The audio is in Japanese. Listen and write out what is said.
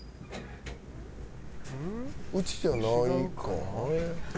「うちじゃないかあれ？」。